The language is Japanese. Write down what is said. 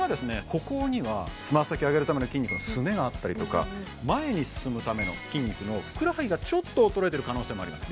歩行にはつま先を上げるための筋肉のすねがあったりとか前に進むための筋肉のふくらはぎがちょっと衰えてる可能性もあります